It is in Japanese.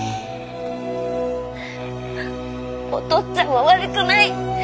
お父っつぁんは悪くない！